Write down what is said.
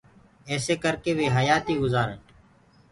ايسي ڪر ڪي وي حيآتي گُجارن۔